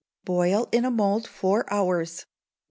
Boil in a mould four hours.